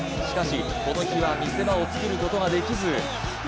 しかしこの日は見せ場をつくることができず。